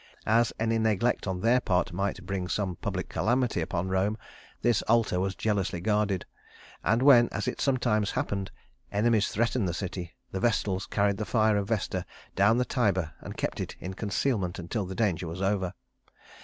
As any neglect on their part might bring some public calamity upon Rome, this altar was jealously guarded; and when, as it sometimes happened, enemies threatened the city, the Vestals carried the fire of Vesta down the Tiber and kept it in concealment until the danger was over.